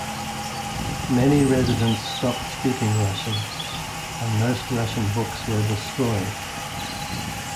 Many residents stopped speaking Russian, and most Russian books were destroyed.